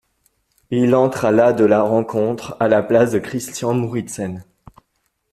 Il entre à la de la rencontre, à la place de Christian Mouritsen.